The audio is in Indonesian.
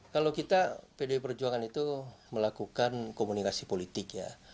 kalau kita pdi perjuangan itu melakukan komunikasi politik ya